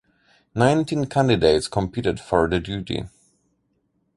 Nineteen candidates competed for the duty.